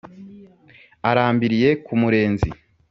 Arambiriye ku Murenzi,